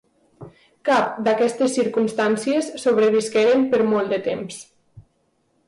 Cap d'aquestes circumstàncies sobrevisqueren per molt de temps.